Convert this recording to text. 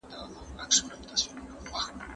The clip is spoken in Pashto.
که شیدې وي نو کمزوري نه وي.